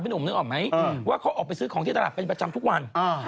หนุ่มนึกออกไหมว่าเขาออกไปซื้อของที่ตลาดเป็นประจำทุกวัน